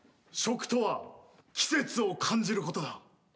食とは季節を感じることだ。